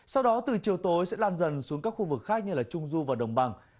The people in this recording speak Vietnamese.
sau đó từ chiều tối sẽ lan dần xuống các khu vực khác như trung du và đồng bằng